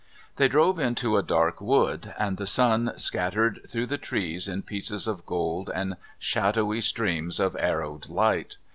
They drove into a dark wood, and the sun scattered through the trees in pieces of gold and shadowy streams of arrowed light.